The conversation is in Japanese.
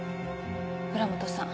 浦本さん